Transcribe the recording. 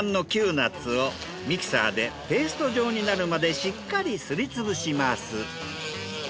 なっつをミキサーでペースト状になるまでしっかりすり潰します。